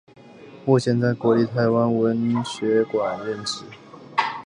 目前在国立台湾文学馆任职。